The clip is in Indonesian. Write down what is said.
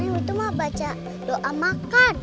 itu mah baca doa makan